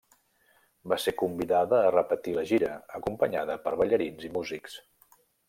Va ser convidada a repetir la gira, acompanyada per ballarins i músics.